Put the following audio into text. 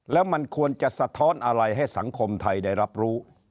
แล้วมันควรจะสะท้อนอะไรให้สังคมไทยได้รับรู้